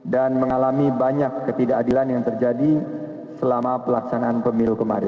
dan mengalami banyak ketidakadilan yang terjadi selama pelaksanaan pemilu kemarin